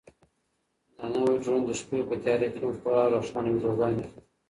دا نوی ډرون د شپې په تیاره کې هم خورا روښانه ویډیوګانې اخلي.